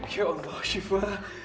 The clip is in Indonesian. ya allah syifa